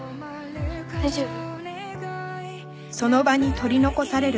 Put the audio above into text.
大丈夫？